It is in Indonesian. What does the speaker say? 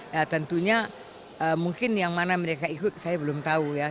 ya tentunya mungkin yang mana mereka ikut saya belum tahu ya